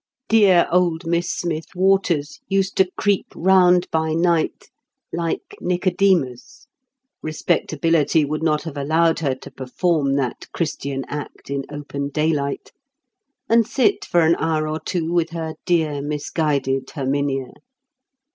Dear old Miss Smith Waters used to creep round by night, like Nicodemus—respectability would not have allowed her to perform that Christian act in open daylight—and sit for an hour or two with her dear misguided Herminia.